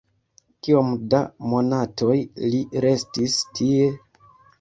Kiom da monatoj li restis tie?